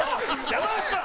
山内さん！